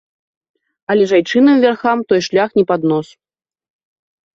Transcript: Але ж айчынным вярхам той шлях не пад нос.